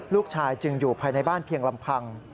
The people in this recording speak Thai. ลูกชายจึงอยู่ภายในบ้านเพียงลำพัง